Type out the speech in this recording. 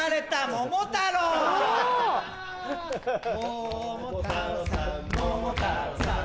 桃太郎さん桃太郎さん